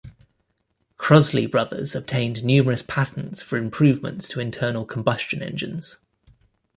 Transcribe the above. Crossley Brothers obtained numerous patents for improvements to internal combustion engines.